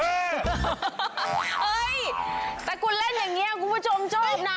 เฮ้ยแต่คุณเล่นอย่างนี้คุณผู้ชมชอบนะ